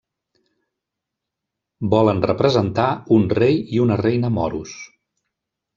Volen representar un rei i una reina moros.